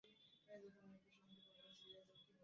এবার বুঝি আমার পালা?